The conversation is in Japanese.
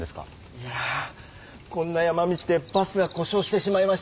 いやこんな山道でバスがこしょうしてしまいまして。